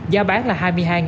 giá bán là hai mươi hai đồng